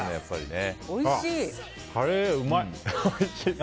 カレー、うまい！